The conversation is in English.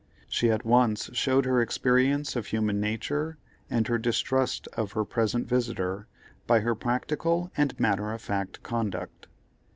She at once showed her experience of human nature and her distrust of her present visitor by her practical and matter of fact conduct.